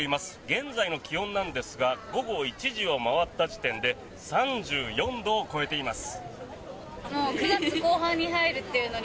現在の気温なんですが午後１時を回った時点で３４度を超えています。